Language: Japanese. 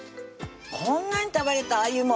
こんなに食べれたあゆも！